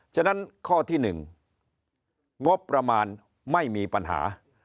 ฉะนั้นข้อที่๑งบประมาณไม่มีปัญหา